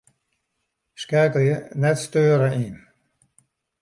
Skeakelje 'net steure' yn.